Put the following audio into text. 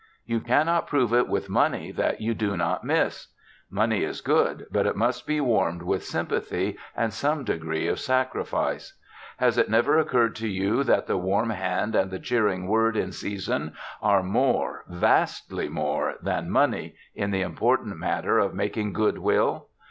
You can not prove it with money that you do not miss. Money is good but it must be warmed with sympathy and some degree of sacrifice. Has it never occurred to you that the warm hand and the cheering word in season are more, vastly more, than money in the important matter of making good will?